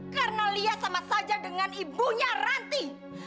karena lia sama saja dengan ibunya ranti